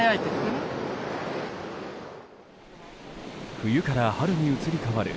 冬から春に移り変わる